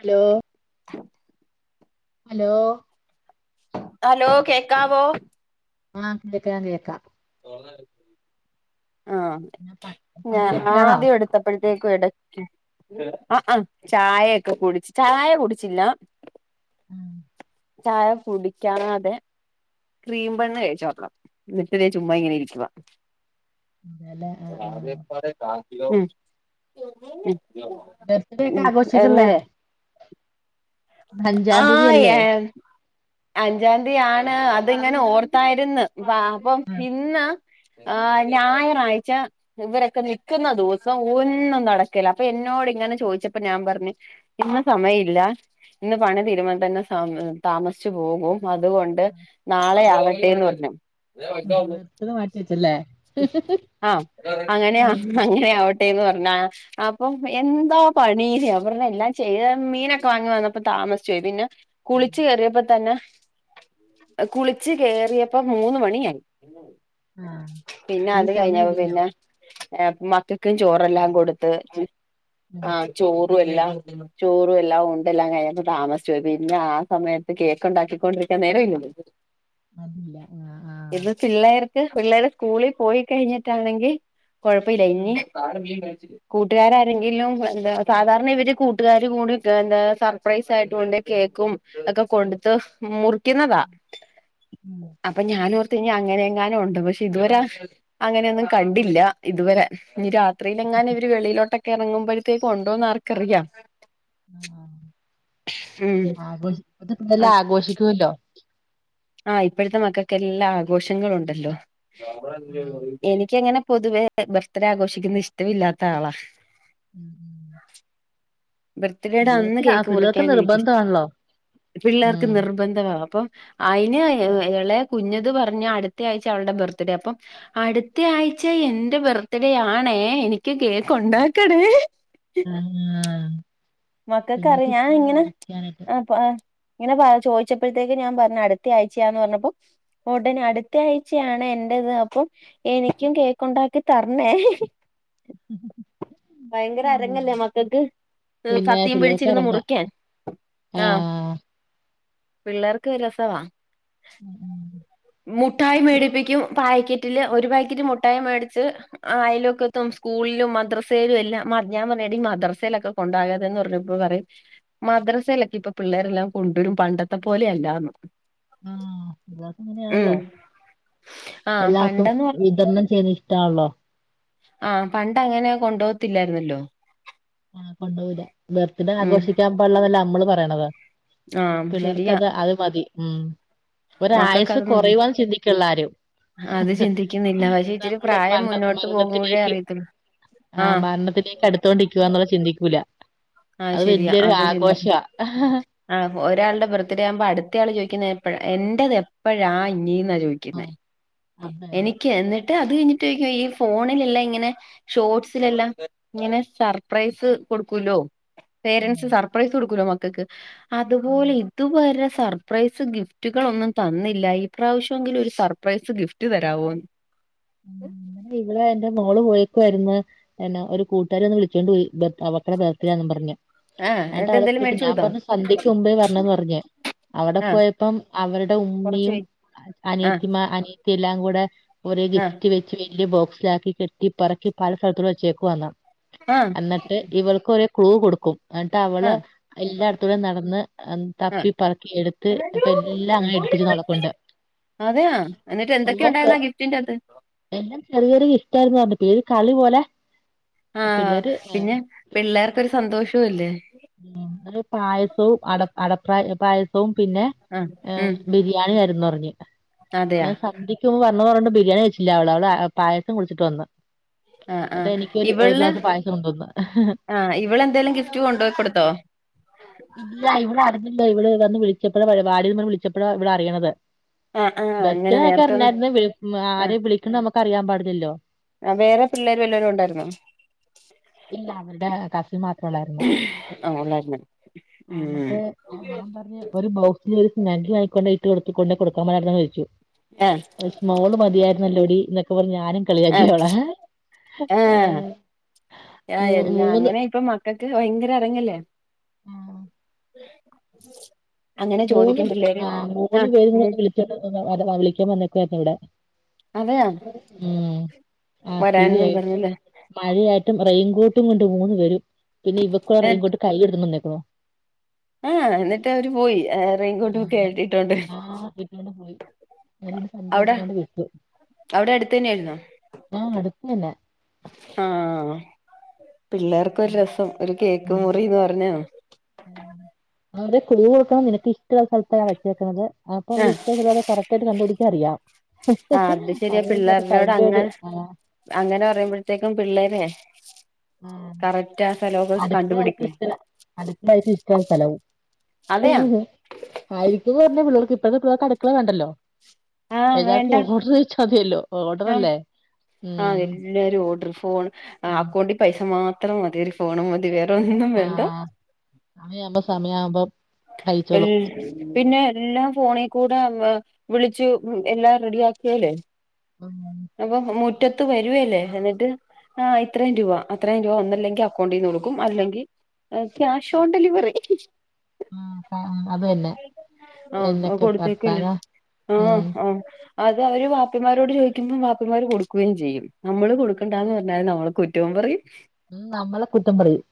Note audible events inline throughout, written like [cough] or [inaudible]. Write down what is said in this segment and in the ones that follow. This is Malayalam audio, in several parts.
ഹലോ ഹലോ ഹലോ കേക്കാവോ? ആഹ് കേക്കാം കേക്കാം ആഹ് പിന്നെ പ ഞാൻ പണിയിലൊക്കെയാണോ ആദ്യം എടുത്ത് എടുത്തപ്പോഴത്തേക്കും ഇടയ്ക്ക് ആ ആഹ് ചായയൊക്കെ കുടിച്ച് ചായ കുടിച്ചില്ല ഉം [unintelligible] ചായ കുടിക്കുകയാതേ ക്രീം ബണ്ണ് കഴിച്ചുനോക്കാം. വീട്ടിൽ ചുമ്മായിങ്ങനെ ഇരിക്കുവാ അതെല്ലേ ആഹ് ആഹ് ആകെപ്പാടെ കാക്കിലോ ബർത്ത്ഡേ ഒക്കെ ഉം ആഘോഷിക്കല്ലേ എന്നിട്ട് ഇന്ന് അഞ്ചാം തീയതി ആഹ് അല്ലേ ഏയ് അഞ്ചാംതി ആണ് അതിങ്ങനെ ഓർത്തായിരുന്ന് വാ അപ്പം ഇന്ന് ആ ഞായറാഴ്ച ഇവരൊക്കെ നിക്കുന്ന ദിവസം ഒന്നും നടക്കില്ല അപ്പൊ എന്നോട് ഇങ്ങനെ ചോദിച്ചപ്പം ഞാൻ പറഞ്ഞ് ഇന്ന് സമയം ഇല്ല ഇന്ന് പണി തീരുമ്പോൾ തന്നെ താമ താമസിച്ചു പോകും. അതുകൊണ്ട് നാളെയാകട്ടേന്ന് പറഞ്ഞു ആഹ് ബർത്ത്ഡേ മാറ്റി വെച്ചല്ലേ ആഹ് അങ്ങനെയാ ഉം അങ്ങനെയാവട്ടെ എന്ന് പറഞ്ഞാ അപ്പൊ എന്താ പണി ഞാൻ പറഞ്ഞാ എല്ലാം ചെയ്യ മീനൊക്കെ വാങ്ങ വന്നപ്പോ താമസിച്ചു പോയി പിന്നെ കുളിച്ച് കയറിയപ്പോ തന്നെ കുളിച്ച് കേറിയപ്പോ മൂന്ന് മണിയായി. ആഹ് പിന്നെ ഇതിന് അത് കഴിഞ്ഞ സമയമില്ലല്ലോ പിന്നെ മക്കൾക് ചോറെല്ലാം കൊടുത്ത് ഉം ആഹ ചോറും എല്ലാം ചോറും എല്ലാം ഉണ്ടെല്ലാം കഴ ന താമസിച്ച് പോയി പിന്നെ ആ സമയത്ത് കേക്ക് ഉണ്ടാക്കിക്കൊണ്ടിരിക്കാൻ നേരമില്ലല്ലോ അതില്ല ആ ആഹ് ഇത് പിള്ളേർക്ക് പിള്ളേർ സ്കൂളിൽ പോയി കഴിഞ്ഞിട്ടാണെങ്കിൽ കൊഴപ്പില്ല ഇനി ആഹ് കൂട്ടുകാരാരെങ്കിലും എന്താ സാധാരണ ഇവര് കൂട്ടുകാർ കൂടി എന്താ സർപ്രൈസ് ആയിട്ടൊണ്ട് കേക്കും ഒക്കെ കൊട്ത്ത് മുറിക്കുന്നതാ ഉം അപ്പൊ ഞാൻ ഓർത്ത കഴിഞ്ഞ അങ്ങനെ എങ്ങാനും ഉണ്ട് പക്ഷെ ഇതുവരെ അങ്ങനെയൊന്നും കണ്ടില്ല ഇതുവരെ ഇനി രാത്രിയില് എങ്ങാ ഇവര് വെളിയിലോട്ടൊക്കെ ഇറങ്ങുമ്പോഴത്തേക്ക് ഉണ്ടോന്ന് ആർക്കറിയാം ആഹ ഇമ് ആഘോഷല്ല ആഘോഷിക്കോ ല്ലോ ആഹ ഇപ്പോഴത്തെ മക്കക്കെല്ലാം ആഘോഷങ്ങളുണ്ടല്ലോ ആഹ് എനിക്കങ്ങനെ പൊതുവേ ബർത്ത്ഡേ ആഘോഷിക്കുന്ന ഇഷ്ടമില്ലാത്ത ആളാ ഉം ഉം ബർത്ത്ഡേയുടെ അന്ന് പിള്ളേർക്ക് ആഹ് കേക്ക് പിള്ളേർക്ക് മുറിക്കാൻ എനിക്കിഷ്ട നിർബന്ധമാണല്ലോ പിള്ളേർക്ക് നിർ ഉം നിർബന്ധമാ അപ്പം അയിന് ഇളയെ കുഞ്ഞത് പറഞ്ഞ അടുത്ത ആഴ്ച അവളുടെ ബർത്ത് ഡേ അപ്പം അടുത്ത ആഴ്ച എന്റെ ബർത്ത്ഡേ ആണേ എനിക്ക് കേക്ക് ഉണ്ടാക്കണേ ആ മക്കൾക്കറിയ ഞാൻ ഇങ്ങനെ മുറിക്കാനായിട്ട് ആഹ് ഇങ്ങനെ ചോദിച്ചപ്പോഴത്തേക്ക് ഞാൻ പറഞ്ഞു അടുത്തയായ്ചയാന്ന് പറഞ്ഞപ്പം ഉടനെ അടുത്ത ആഴ്ചയാണ് എന്റത് അപ്പം എനിക്കും കേക്ക് ഉണ്ടാക്കി തരണേ ഉ ഭയങ്കര അരങ്ങല്ലേ മക്കൾക്ക് പിന്നെ സത്തിയും പിള്ളേർക്ക് പിടിച്ചിരുന്ന് ഇറങ്ങാം മുറിക്കാൻ ആ ആഹ പിള്ളേർക്ക് രസവാ ഉം ഉം മുഠായി മേടിപ്പിക്കും പാക്കറ്റില് ഒരു പാക്കറ്റ് മുഠായി മേടിച്ച് ആ അയലൊക്കെത്തും സ്കൂളിലും മദ്രസ എല്ലാം മ ഞൻ പറഞ്ഞെ എടി മദ്രസയിലൊക്കെ കൊണ്ടാകരുത് എന്ന് പറഞ്ഞപ്പോ പറയും മദ്രസയിലൊക്കെ ഇപ്പൊ പിള്ളേരെല്ലാം കൊണ്ടുവരും പണ്ടത്തെ പോലെയല്ലാന്ന് ആഹ് ഇതൊക്കെ ഇങ്ങനെയാണല്ലോ ആഹ് എല്ലാവർക്കും വിതരണം ചെയ്യുന്നത് ഇഷ്ടമാണല്ലോ ആഹ പണ്ട അങ്ങനെ കൊണ്ടുകത്തില്ലെർന്നോല്ലോ ആ കൊണ്ടൊവുല ബർത്ത്ഡേ ആഘോഷിക്കാൻ പള്ളതല്ല നമ്മള് പറയണത് ആഹ് ശരിയാ പിള്ളർക്കതെ അത് മതി ഉം ഒര് മക്കൾക്ക് ആയസ് അത് മതി കുറയുവാൻ ചിന്തിക്കുന്നില്ല ആരും അത് ചിന്തിക്കുന്നില്ല പക്ഷെ ഇച്ചിരി നമ്മള് പ്രായം മരണ മുന്നോട്ട് പോകുമ്പോഴേ മരണത്തിലേക്ക് അറിയത്തുള്ളൂ ആഹ ആഹ് മരണത്തിലേക്ക് അടുത്തോണ്ടിരിക്കുക ചിന്തിക്കൂല ആഹ് അത് വല്യൊരു ആഘോഷമാണ് ആ ഒരാളുടെ ബർത്ത്ഡേ ആകുമ്പോ അടുത്ത ആള് ചോദിക്കുന്നത് എന്റേത് എപ്പോഴാ ഇനീന്നാ ആ ചോദിക്കുന്നത് അതന്നെ എനിക്ക് എന്നിട്ട് അത് കഴിഞ്ഞിട്ട് ചോക്കോ ഈ ഫോണിലില്ലേ ഇങ്ങനെ ഷോർസിലെല്ലാം ഇങ്ങനെ സർപ്രൈസ് കൊടുക്കൂല്ലോ ഉം പേരൻറ്സ് ഉം, സർപ്രൈസ് കൊടുകോലോ മക്കൾക്ക് അതുപോലെ ഉം. ഇതുവരെ സർ സർപ്രൈസ് ഗിഫ്റ്റുകൾ ഒന്നും തന്നില്ല ഈ പ്ര്രാവശ്യമെങ്കിലും ഒരു സർപ്രൈസ് ഗിഫ്റ്റ് തരാവോന്ന് അങ്ങനെ ഇവളെ എറെ മോള് പോയിക്കുവായിരുന്നു എന്നാ ഒരു കൂട്ടുകാരി ഒന്ന് വിളിച്ചോണ്ട് പോയി അവക്കടെ ബർത്ഡേന്നും പറഞ്ഞഞ് ആഹ് എന്നിട്ട് ഏട്ടന്റെട്ത് എന്തേലും പോയിട്ട് മേടിച്ചു ഞാൻ കൊടുത്തോ? പറഞ്ഞ സന്ധ്യക്ക് മുമ്പേ വരണം പറഞ്ഞഞ് അവിടെ ആഹ് പോയപ്പം അവരുടെ കൊറച്ച് ഉമ്മിയും പോയി ആഹ് അനിയത്തിമാ അനി യത്തിയെല്ലാം കൂടെ ഒരു ഗിഫ് ആഹ് റ്റ് വെച്ച് വലിയ ബോക്സിലാക്കി കെട്ടി പറക്കി പല സ്ഥലത്തിൽ വച്ചേക്കുവാന്നോ ആഹ് ന്നട്ട് ഇവൾക്ക് ഒര് ക്ലൂ കൊട്ക്കും. ന്നട്ട് അവള് ആഹ് എല്ലായിടത്തോടെയും നടന്ന് എ ആഹ് തപ്പിപ്പർക്കി എട്ത്ത് പ്പ എല്ലാങ്ങ് എട്പ്പിച്ച് നട കൊണ്ട് അതെയാ, എന്നിട്ട് എല്ലാം ചെ എന്തൊക്കെയുണ്ടായിരുന്നാ ഗിഫ്റ്റിന്റെ ആത്ത്. എല്ലാം ചെറിയൊരു ഗിഫ്റ്റായിരുന്നു പറഞ്ഞു പ്പേ ഒരു കളി പോലെ ആഹ് പിള്ളേര് ഏഹ് പിന്നെ പിള്ളേർക്കൊരു സന്തോഷും അല്ലേ ആഹ്, ഒരു പായസോം അട അടപ്രാ പായസോം പിന്നെ ആഹ് ഏ ഉം ബിരി ഞാൻ കെടന്ന് ഉറങ്ങി അതെയാ ഞാൻ സന്ധ്യ [unintelligible] മ്പ പർഞ്ഞു ബിരിയാണി കഴിച്ചില്ല്യ അവള്. അവള് പായസം കുട്ച്ചിട്ട് വന്ന്. ആഹ്‌, എന്നിട്ട് ആഹ് എനിക്കൊരു ഒരു ഇവള് ഗ്ലാസ് പായസം കൊണ്ടുവന്ന് ആഹ് ഇവള് എന്തേലും ഗിഫ്റ്റ് കൊണ്ടോയി കൊട്ത്തോ? ഇല്ല ഇവള് അറിഞ്ഞില്ല ഇവള് വന്ന് വിളിച്ചപ്പോഴ പറയണത് വാടിന്ന് വിളിച്ചപ്പോഴ ഇവിടെ അറിയ്ണത് ആഹ് ആഹ് അങ്ങനെ ബെസ്റ്റാന്നൊക്കെ നേരത്തൊന്നും അറിഞ്ഞായിരുന്നെ വി ആരെ വിളിക്കണ്ടെ നമുക്ക് അറിയാൻ പാടില്ലല്ലോ ആഹ്, വേറെ പിള്ളേര് വല്ലവരും ഒണ്ടായിരുന്നോ? ഇല്ല അവരുടെ കസിൻ മാത്രേ ഉള്ളായിരുന്നു ആഹ് ഉള്ളായിരുന്നു ആഹ്, ന്നട്ട് ഞാൻ പർഞ്ഞ് ഒരു ബൗ ഇഞ്ഞൊരു ഒരു സ്നഗി വാങ്ങിക്കൊണ്ടോയി ഇട്ട് കൊടുത്തു കൊണ്ട് കൊടുക്കാൻമേലായിരുന്നോ ചോയിച്ചു ആഹ് ഒരു സ്മോള് മതിയായിരല്ലോടി ഇന്നൊക്കെ പറഞ്ഞ ഞാനും ആഹ് കളിയക്കിയോളെ ആഹ് ഏഹ് മൂ മൂന്ന് [unintelligible] ക്ക് ഭയങ്കര എറങ്ങല്ലേ. ആഹ് [unintelligible] അങ്ങനെ മൂന്ന് ചോദിക്കും പിള്ളേര് ആ മൂന്ന് ആഹ് പേര് ഉം ന്നൊന്ന് വിളിച്ചിട്ട് [unintelligible] വര വിളിയ്ക്കാൻ പർഞ്ഞേക്കുവായിരുന്നു ഇവിടെ. അതെയാ ഉം വരാനന്നും ആക്ടിവായിട്ട് പറഞ്ഞില്ലേ മഴയായിട്ടും റെയിൻകോട്ടും കൊണ്ട് മൂന്ന് പേരും പിന്നെ ഇവക്കൊ റെയിൻകോട്ട് കൈയെടുത്ത് കൊണ്ട് വന്നേക്കുന്നു ഏഹ് ഹേ, എന്നിട്ട് അവര് പോയി, ഏ റെയിൻകോട്ടും ഒക്കെ ആഹ് ആയി ഇട്ടോണ്ട്. ആ ഇട്ടോണ്ട് പോയി അവരോട് സഞ്ചായപ്പ ഔടെ കൊണ്ട് വിട്ടു ഔടെ അടുത്തെന്നെയിരുന്നോ ആഹ് അടുത്ത് തന്നെ ആഹ് പിള്ളേർക്കൊരു ഉം രസം ഒരു കേക്ക് മുറീന്ന് പറഞ്ഞാ അവന്റെ കുളിക കൊടുക്കണം നിനക്ക് ഇഷ്ടള്ള സ്ഥലത്താ വെച്ചേക്കുന്നത് അപ്പൊവള് ആഹ് ഇഷ്ടന്നൂല്ലാതെ കറക്റ്റായിട്ട് കണ്ട് പിടിക്കാനറിയാം അത് ശരിയാ ഹ്‌ഹ് പിള്ളേരോട് [unintelligible] ഒരു അങ്ങനെ ആ അങ്ങനെ പറയുമ്പോഴത്തേക്കും പിള്ളേരെ ആഹ് കറക്റ്റ് ആ സ്ഥലമൊക്കെ അലക്ക് കണ്ടുപിടിക്കുവേ [unintelligible] ഇഷ്ടായി സ്ഥലവും അതെയാ ആയിരിക്കുന്ന് പറഞ്ഞ പിള്ളർക്ക് ഇപ്പത്തെ പിള്ളർക്ക് അടുക്കള വേണ്ടല്ലോ ആഹ് വേണ്ട എല്ലാർക്കും ഓഡർ [unintelligible] യല്ലോ ആഹ് ഓഡറല്ലേ ആഹ് എല്ലാരും ഓഡറ് ഫോണ് ഉം അക്കൗണ്ടി പൈസ മാത്രം മതി ഒരു ഫോണും മതി വേറെ ഒന്നും വേണ്ട സമയാമ്പം സമയാമ്പം എൽ പിന്നെ എല്ലാം ഫോണിക്കുടെ വിളിച്ചു എല്ലാം റെഡിയാക്കിയലേ ഉം അപ്പോ മുറ്റത്ത് വരുവേലേ എന്നിട്ട് ആ ഇത്രയും രൂപ, അത്രയും രൂപ ഒന്നല്ലെങ്കി അക്കൗണ്ടീന്ന് കൊട്ക്കും. അല്ലെങ്കി ഏഹ് ക്യാഷ് ഓൺ ഡെലിവറി ഉം, ആഹ്, ആഹ് അതെന്നെ. ആ ആ കൊടുത്തേക്കല്ലേ ഉം ആഹ് ആ അതേ അവര് വാപ്പിമാരോട് ചോയിക്കുമ്പം വാപ്പിമാര് കൊടുക്കുകയും ചെയ്യും നമ്മള് കൊടുക്കണ്ടാന്ന് പറഞ്ഞാല് നമ്മള് കുറ്റവും പറയും ഉം നമ്മളെ കുറ്റം പറയും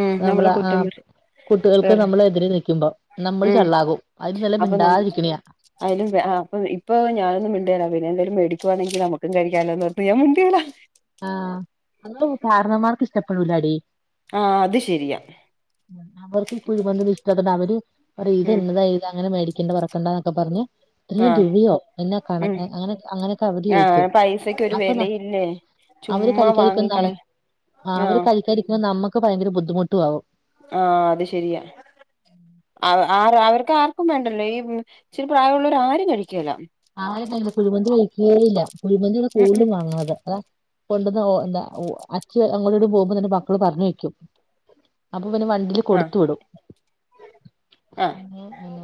ഉം നമ്മളെ നമ്മള് ആ കുറ്റം പറയും കുട്ടികൾക്ക് വേറെ നമ്മള് എതിര് നിൽക്കുമ്പോ നമ്മള് ഉം ചള്ളാകും അതിനും നല്ലത് മിണ്ടാതിരിക്ക്ണിയാ അയലുംഭേ ആ പ്പം ഇപ്പോ ഞാനൊന്നും മിണ്ടേല പിന്നെന്തേലും വേടിക്കുവാണെങ്കിൽ നമ്മക്കും കഴിക്കാലോന്നോർത്ത് ഞാൻ മിണ്ടേല ആ അതൊന്നും കാരണമ്മാർക്ക് ഇഷ്ടപ്പെടൂലാടി ആ അത് ശരിയാ അവർക്ക് ഈ കുഴിമന്തിയൊന്നും ഇഷ്ടാത്തോണ്ട് അവര് പറയും ഇത് ഉം എന്നതാ ഇത് അങ്ങനെ മേടിക്കേണ്ട പറയും ക്കണ്ടാന്നൊക്കെ പറഞ്ഞ് ഈ ആഹ് ടുവിയോ എന്നാ കണഎ ഉം അങ്ങനെ അങ്ങനെയൊക്കെ അവധി ചോയിക്കും അപ്പെന്നാ ല്ലേ അവര് കഴിക്കാരിക്കുന്നമ്മ ആ അവര് ആഹ് കഴിക്കാരിക്കുമ്പോ നമ്മക്ക് ഭയങ്കര ബുദ്ധിമുട്ടു ആവും ആ അത് ശരിയാ ആവ് ആരാ അവർക്ക് ആർക്കും വേണ്ടല്ലോ ഈ ഇച്ചിരി പ്രായമുള്ളോര് ആരും കഴിക്കൂല്ല ആ അവരൊക്കെ കുഴിമന്തി കഴിക്കേല്ല കുഴിമന്തിവിടെ ഉം കൂടുതലും വാങ്ങുന്നത് അതാ കൊണ്ടന്ന് ഒ എന്താ ഒ അച്ഛ അങ്ങോട്ണ്ട് പോകുമ്പോ തന്നെ മക്കള് പറഞ്ഞു വെക്കും അപ്പൊ പിന്നെ വണ്ടീല് കൊടുത്തു വിടും ആഹ ആഹ ആഹ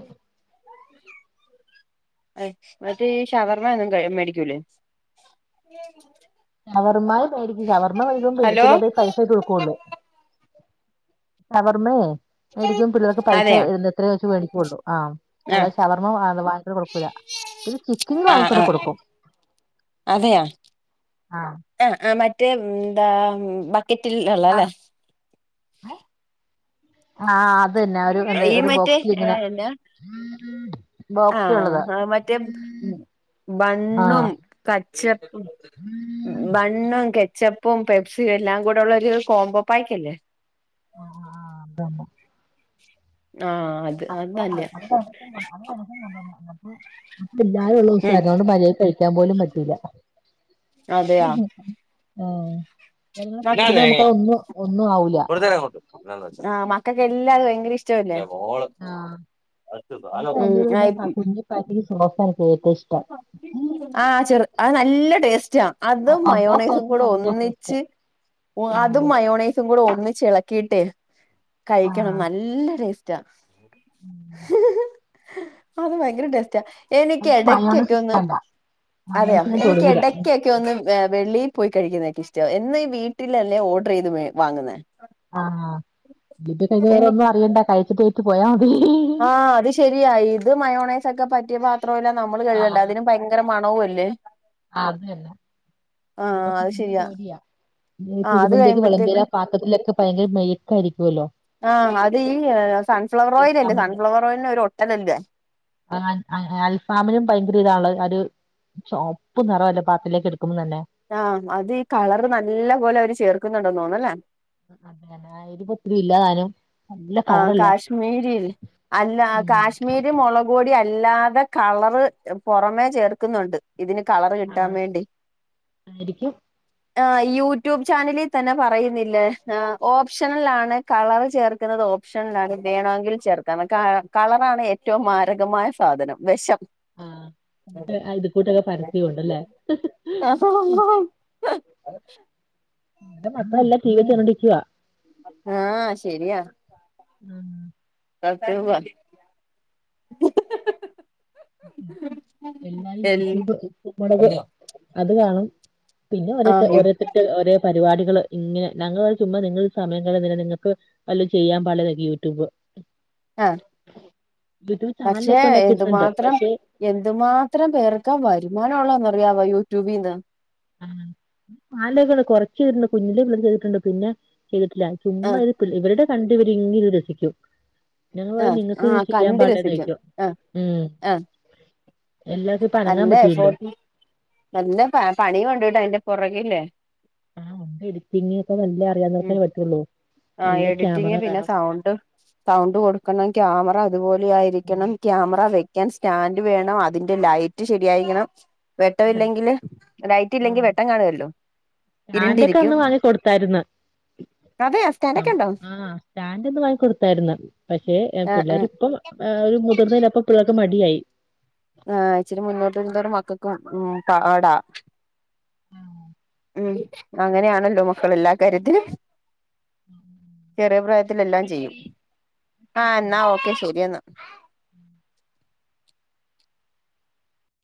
എ മറ്റേ ഈ ഷവർമ്മയൊന്നും കഴി മേടിക്കൂലേ. [inaudible] ഷവർമായും മേടിക്കും ഷവർമ്മ വേടിക്കുമ്പോ ഹലോ പിള്ളേര്ടേൽ പൈസ കൊടുക്കൊള്ളൂ ഷവർമേ മേടിക്കാൻ പിള്ളേർക്ക് പൈസ അതെയാ ഇടുന്ന എത്രേ ചോയിച്ച് വേടിക്കൊള്ളൂ ആ അല്ല ആഹ് ഷവർമ്മ വാ വാങ്ങിച്ചൊന്നും കൊടുക്കൂല്ല പിന്നെ ചിക്കിങ്ങ് ആഹ് വാങ്ങിക്കൊണ്ട് ആഹ് കൊടുക്കും അതെയാ ആഹ ആഹ് ആഹ് മറ്റേ എന്താ ബക്കറ്റിൽ ഉള്ളല്ലേ ആഹ് അത് ന്നെ ഒരൂ ന്ത്‌ ഈ ഒരു മറ്റേ ബോക്സിൽ ഇങ്ങനെ എന്നാ ബോക്സിലുള്ളത് ആഹ് മറ്റേ ആ ബണ്ണും കച്ചപ്പും ബൺ ബണ്ണും കെച്ചപ്പും പെപ്സിയും എല്ലാം കൂടെ ഉള്ളൊരു കോംമ്പോ പായ്ക്ക്ല്ലേ ആഹ് ആഹ് ആഹ് അതന്നെ ആഹ് അത് അത് നല്ലയാ പില്ലായൊള്ളൂസ ഉം അതോണ്ട് മര്യാക്ക് കഴിക്കാൻ പോലും പറ്റില്ല അതെയാ ആഹ് ജനങ്ങളെ മക്ക [unintelligible] തൊന്നും ഒന്നും ആവൂല്ല ആഹ് മക്കൾക്കെല്ലാം അത് ഭയങ്കര ഇഷ്ടമല്ലേ ആഹ് എനിക്ക് അതിന്റെ കൂടെ പിന്നെ പ കുഞ്ഞി പാക്കറ്റ് സോസ എനിക്ക് ഏറ്റവും ഇഷ്ടം ആഹ് ചെറു അത് നല്ല ടേസ്റ്റാ അതും അതാ മയോണൈസും സോസ് കൂടെ നല്ല ടേസ്റ്റ് ഒന്നിച്ച് അതും ആഹ് മയോണൈസും കൂടെ ഒന്നിച്ചിളക്കിയിട്ട് കഴിക്കണം ആഹ് നല്ല ടേസ്റ്റ് റ്റാ ഉം. ഹ് അത് ഭയങ്കര ടേസ്റ്റാ എനിക്ക് മയോണൈസ് എടക്കൊക്കെ ഒന്ന്. ഇഷ്ടല്ല അതെയോ. മയോണൈസ് ഞാൻ എനിക്ക് തൊടൂല എടക്കൊക് ക്കൊന്ന് ഏ വെളീൽ പോയി കഴിക്കുന്നെക്കിഷ്ടം. എന്നു ഈ വീട്ടിലല്ലേ ഓഡർയ്ത് വേ വാങ്ങുന്ന. ആ, കിട്ടി കഴിഞ്ഞയ്ഞ്ഞ വേറെ എനി ഒന്നും അറിയണ്ട കഴിച്ചിട്ടെണീറ്റ് പോയാ മതി [unintelligible] ആ, അത് ശരിയാ. യിത് മയോണൈസൊക്കെ പറ്റിയ പാത്രോം എല്ലാം നമ്മള് കഴുകണ്ടേ. അതിനും ഭയങ്ക ങ്കര മണവു അല്ലേ? ആ അതുതന്നെ. ആ നമുക്ക് അത് നല്ല ശരിയാ ജോലിയാ. ആ അത് കുഴിമന്ത്യക്ക് വിളമ്പ്യരാ കഴിയുമ്പോഴത്തേക്കും ആ പാ പ്പത്തെ മത്തി ഭയങ്കര മെഴക്കായിരിക്കൊല്ലോ ആഹ് അതീ സൺഫ്ലവർ ഓയിയിലല്ലേ. അൽഫാമിന്റെ സൺഫ്ലവർ ഓയിയിലിന് ഒരു ഒട്ടലല്ലേ ആ അ അൽഫാമിനും ഭയങ്കര ഇതാണല്ലോ അ ഒരു ചോവപ്പ് നിറവല്ലേ പാത്തിലേക്ക് എടുക്കുമ്പം തന്നെ ആഹ്. അതി കളറ് നല്ല പോലെ അവര് ചേർക്കുന്നുണ്ടെന്ന് തോനുന്നു അല്ലേ അതെയതെ. അയ്രി പൊത്തിരി ഇല്ല താനും ആ കാശ്മീരിൽ, അല്ല ഉം കാശ്മീരി മുളക് പൊടി അല്ലാതെ കളർ പുറമേ ചേർക്കുന്നുണ്ട് ഇതിന് കളർ കിട്ടാൻ ആഹ് വേണ്ടി ആയിരിക്കും ആ യൂട്യൂബ് ചാനലിൽ തന്നെ പറയുന്നില്ലേ ഓപ്ഷനൽ ആണ് കളർ ചേർ ഇടുന്നത് ഓപ്ഷനൽ ആണ് വേണമെങ്കിൽ ചേർക്കണം കളറാണ് ഏറ്റവും മാരകമായ സാധനം വെഷം ആഹ് എന്നിട്ട്, ആ ഇത് കൂട്ടൊക്കെ പരസ്യം ഉണ്ട്ല്ലേ അഹ് ആഹാ [unintelligible] ന്റെ മക്കളെല്ലാം ടിവി കണ്ടോണ്ട് ഇരിക്കുവാ ആഹ് ശരിയാ ഉം ഉ [unintelligible] എല്ലാരും എൽ യൂട്യൂബ് എടുത്ത് അത് കാണും പിന്നെ ഓരോ ആഹ് ഓരോര്ത്തര്ക്ക് ഓരേ പരിപാടികള് ഇങ്ങനെ. ഞങ്ങൾ ചുമ്മാ നിങ്ങളി സമയം കളയുന്നെന്തിനാണ്. നിങ്ങക്ക് അല്ല ചെയ്യാൻ പാടില്ലന്നൊക്കെ യൂട്യൂബ് ആഹ് യൂട്യൂബ് പക്ഷെ ചാനലൊക്കെണ്ടാക്കിയിട്ടുണ്ട് എന്തുമാത്രം എന്തുമാത്രം പേർക്കാ വരുമാനം ഉള്ളോന്ന്റിയാവോ യൂട്യൂബിന്ന് ആഹ് മാലകള് കൊർച്ചീര്ന്നു കുഞ്ഞിലേ ഞമ്മള് ചെയ്തിട്ടുണ്ട് പിന്നെ ചെയ്തിട്ടില്ല. ചുമ്മാ ആഹ് ഇത് ഇവരുടെ കണ്ട് ഇവരി ഇങ്ങനിത് രസിക്കും ഞങ്ങള് പറയും, ആഹ് നിങ്ങക്ക് ഇത് ആഹ് ചെയ്യാൻ കണ്ട് പാടില്ലെന്ന് രസിക്കും ചോയ്ക്കും ആഹ് ഉം ആഹ് എല്ലാർക്കും ഇപ്പ അനങ്ങാൻ നല്ല പറ്റൂലല്ലൊ എഫോർട്ട് നല്ല പ പണി ഉണ്ട് ടാ അതിന്റെ പുറകിൽ ആഹ്ണ്ട് എഡിറ്റിംഗ് ഒക്കെ നല്ലേ അറിയാ ഉം നൊറ്ക്കാേ പറ്റുള്ളൂ ആഹ്, നല്ല ക്യാമറ എഡിറ്റിങ് പിന്നെ വേണം സൗണ്ട് സൗണ്ട് കൊടുക്കണം. ക്യാമറ അതുപോലെ ആയിരിക്കണം. ക്യാമറ വ്യ ക്കാൻ സ്റ്റന്റ് വേണം. അതിന്റെ ലൈറ്റ് ശരിയായിരിക്കണം വട്ട ഇല്ലെങ്കിൽ ലൈറ്റ് ഇല്ലെങ്കിൽ വെട്ടം കാണുവല്ലോ സ്റ്റാന്റെൊക്കെ അന്ന് വാങ്ങി കൊടുതായിരുന്ന് അതെ സ്റ്റാ ആ സ്റ്റാൻഡൊന്ന് വാങ്ങിക്കൊടുത്തായിരുന്ന്. പക്ഷേ ആഹ് ആഹ് പിള്ളേരിപ്പം ആ അവരു മുതിർന്നല്ലോ അപ്പ പിള്ളേർക്ക് മടിയായി ആ ഇച്ചിരി മുന്നോട്ടരും തോറും മക്കക്കും പാടാ ആ ഉം അങ്ങനെയാണല്ലോ മക്കളെല്ലാ കാര്യത്തിലും ചെറിയ ന്നാ പ്രായത്തിലെല്ലാം ചെയ്യും. വെക്കട്ടെടി ആഹ് ഓ ന്നാ ഓക്കെ ശരി എന്നാ ആ [inaudible]